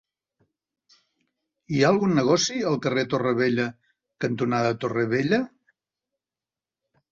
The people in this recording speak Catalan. Hi ha algun negoci al carrer Torre Vella cantonada Torre Vella?